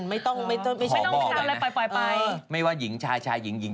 ไปโดยที่ไม่บอกอาทิตย์มึง